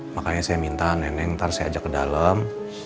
makanya saya minta neneng ntar saya ajak ke dalem